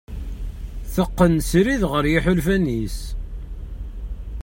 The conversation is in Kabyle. Teqqen srid ɣer yiḥulfan-is.